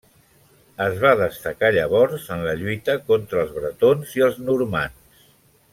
Es va destacar llavors en la lluita contra els bretons i els normands.